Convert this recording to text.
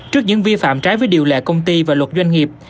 trước những vi phạm trái với điều lệ công ty và luật doanh nghiệp